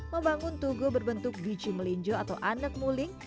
membangun tugu berbentuk biji melinjo atau anak muling